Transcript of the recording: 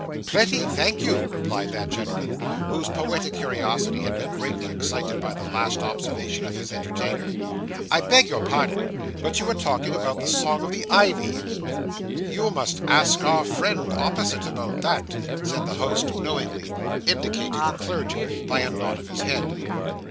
'Plenty, thank you,' replied that gentleman, whose poetic curiosity had been greatly excited by the last observation of his entertainer. 'I beg your pardon, but you were talking about the song of the Ivy.' 'You must ask our friend opposite about that,' said the host knowingly, indicating the clergyman by a nod of his head.